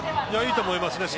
いいと思います。